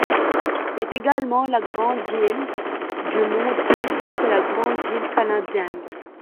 C'est également la grande île du monde, ainsi que la grande île canadienne.